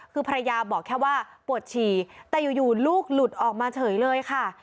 คือภรรยาบอกแค่ว่าปวดฉี่แต่อยู่ลูกหลุดออกมาเฉยเลยค่ะ